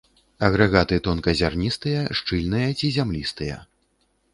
Агрэгаты тонказярністыя, шчыльныя ці зямлістыя.